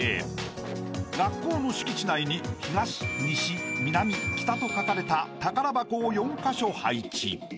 ［学校の敷地内に東西南北と書かれた宝箱を４カ所配置］